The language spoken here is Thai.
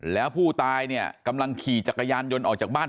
แล้วผู้ตายเนี่ยกำลังขี่จักรยานยนต์ออกจากบ้าน